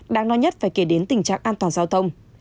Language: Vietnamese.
đáng nói nhất phải kể đến tình trạng an toàn giao thông